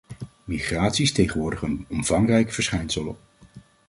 Migratie is tegenwoordig een omvangrijk verschijnsel.